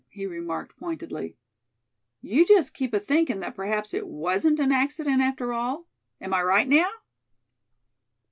he remarked, pointedly. "You just keep athinkin' that perhaps it wasn't an accident after all? Am I right, now?"